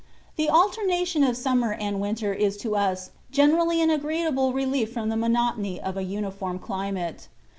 The alternation of summer and winter is to us generally an agreeable relief from the monotony of a uniform climate.